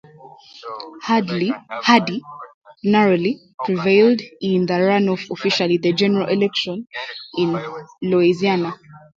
Hardy narrowly prevailed in the runoff-officially the general election in Louisiana.